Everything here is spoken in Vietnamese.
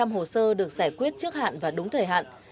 một trăm linh hồ sơ được giải quyết trước hạn và đúng thời hạn